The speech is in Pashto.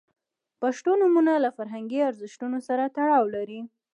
• پښتو نومونه له فرهنګي ارزښتونو سره تړاو لري.